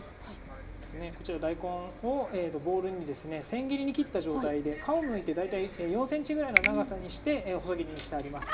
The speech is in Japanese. こちら大根をボウルにですねせん切りに切った状態で皮をむいて大体４ｃｍぐらいの長さにして細切りにしてあります。